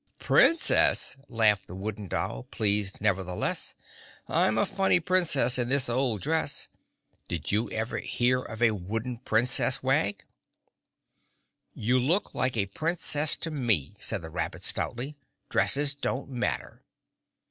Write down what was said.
"Princess?" laughed the Wooden Doll, pleased nevertheless. "I'm a funny Princess, in this old dress. Did you ever hear of a wooden Princess, Wag?" "You look like a Princess to me," said the rabbit stoutly. "Dresses don't matter."